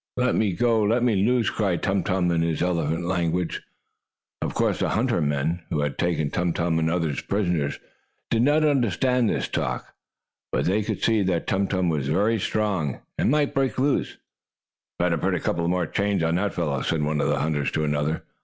"Let me go! Let me loose!" cried Tum Tum in his elephant language. Of course the hunter men, who had taken Tum Tum and the others prisoners, did not understand this talk, but they could see that Tum Tum was very strong, and might break loose. "Better put a couple more chains on that fellow," said one of the hunters to another.